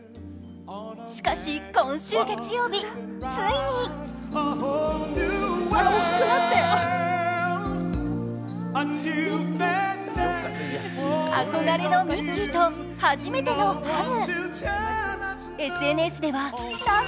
しかし、今週月曜日、ついに憧れのミッキーと初めてのハグ。